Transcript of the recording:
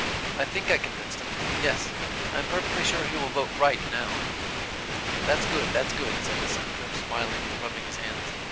"I think I convinced him. Yes, I am perfectly sure he will vote right now." "That's good, that's good," said the Senator; smiling, and rubbing his hands.